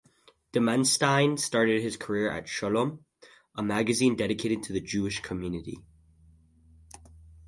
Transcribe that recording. Dimenstein started his career at Shalom, a magazine dedicated to the Jewish community.